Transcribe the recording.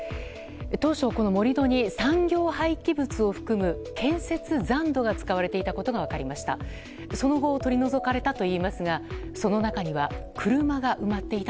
当初、この盛り土に産業廃棄物を含む建設残土が使われていたことが分かりました。